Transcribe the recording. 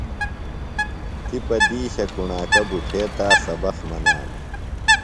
تی پہ دِیشی کُݨاکہ بُٹھے تا سبق منانہ۔